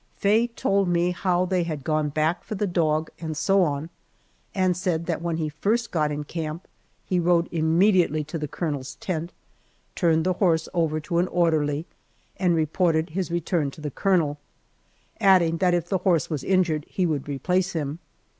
Faye told me how they had gone back for the dog, and so on, and said that when he first got in camp he rode immediately to the colonel's tent, turned the horse over to an orderly, and reported his return to the colonel, adding that if the horse was injured he would replace him.